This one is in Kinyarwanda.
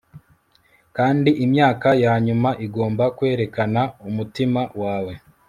Kandi imyaka yanyuma igomba kwerekana umutima wawe